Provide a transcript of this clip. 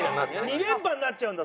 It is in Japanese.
２連覇になっちゃうんだ